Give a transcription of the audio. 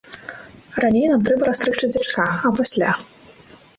Раней нам трэба расстрыгчы дзячка, а пасля.